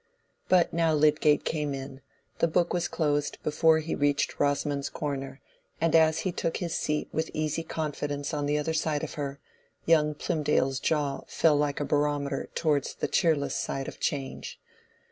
But now Lydgate came in; the book was closed before he reached Rosamond's corner, and as he took his seat with easy confidence on the other side of her, young Plymdale's jaw fell like a barometer towards the cheerless side of change.